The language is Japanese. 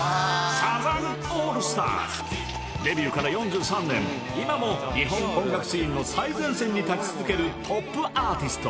デビューから４３年今も日本音楽シーンの最前線に立ち続けるトップアーティスト！